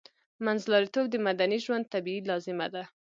منځلاریتوب د مدني ژوند طبیعي لازمه ده